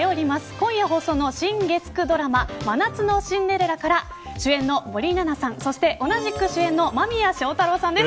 今夜放送の新月９ドラマ真夏のシンデレラから主演の森七菜さんそして同じく主演の間宮祥太朗さんです。